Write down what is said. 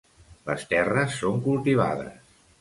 Les terres són cultivades.